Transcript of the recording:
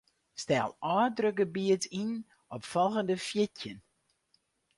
Stel ôfdrukgebiet yn op folgjende fjirtjin.